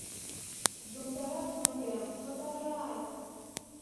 Йомдарат мыйым, пытарат!..